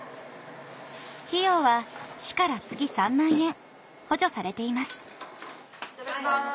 費用は市から月３万円補助されていますいただきます。